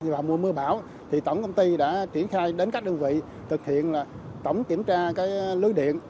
vào mùa mưa bão tổng công ty đã triển khai đến các đơn vị thực hiện tổng kiểm tra lưới điện